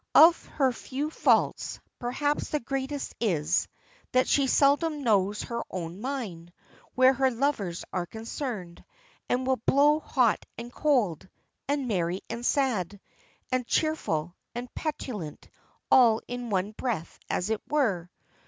Of her few faults, perhaps the greatest is, that she seldom knows her own mind, where her lovers are concerned, and will blow hot and cold, and merry and sad, and cheerful, and petulant all in one breath as it were.